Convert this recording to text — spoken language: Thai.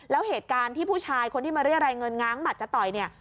แล้วเหตุการณ์ที่ผู้ชายคนที่มาเรียกรายเงินง้างหมัดจะต่อยเนี่ย